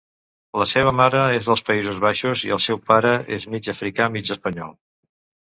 La seva mare és dels Països Baixos i el seu pare és mig africà, mig espanyol.